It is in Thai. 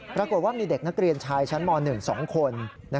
ปรากฏว่ามีเด็กนักเรียนชายชั้นม๑๒คน